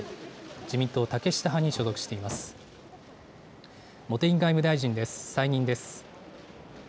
自民党竹下派に所属しています。